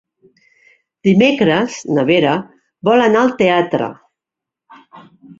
Dimecres na Vera vol anar al teatre.